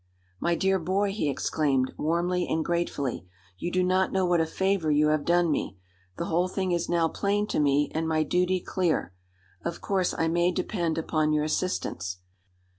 "My dear boy," he exclaimed, warmly and gratefully, "you do not know what a favor you have done me. The whole thing is now plain to me and my duty clear. Of course, I may depend upon your assistance."